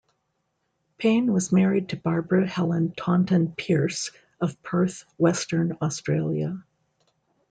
Paine was married to Barbara Helen Taunton Pearse of Perth, Western Australia.